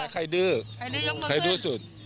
ใครดื้อใครดื้อสุด